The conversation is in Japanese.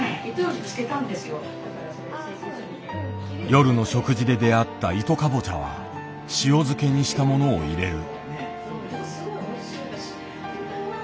夜の食事で出会った糸カボチャは塩漬けにしたものを入れる。